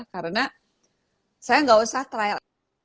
karena saya nggak usah trial